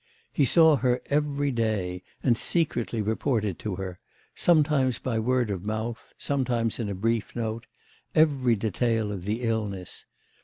He saw her every day and secretly reported to her sometimes by word of mouth, sometimes in a brief note every detail of the illness.